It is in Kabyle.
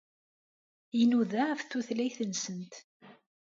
Inuda ɣef tutlayt-nsent.